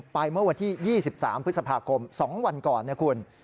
เมื่อวันที่๒๓พฤษภาคม๒วันก่อนนะคุณ